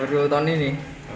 baru tahun ini